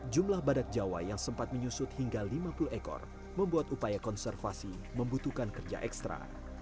jumlah badak jawa yang sempat menyusut hingga lima puluh ekor membuat upaya konservasi membutuhkan kerja ekstra